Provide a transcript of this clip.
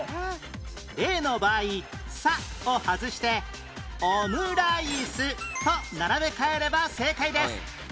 例の場合「さ」を外して「おむらいす」と並べ替えれば正解です